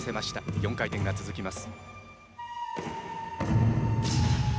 ４回転が続きます。